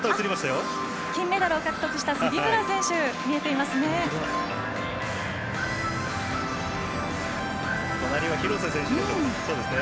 金メダルを獲得した杉村選手、映っていましたね。